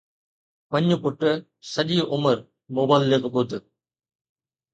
وڃ پٽ، سڄي عمر مبلغ ٻڌ